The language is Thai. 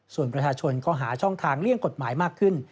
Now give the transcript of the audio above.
ส่วนประชาชนก็หาช่องทางเลี่ยงกฎหมายมากขึ้น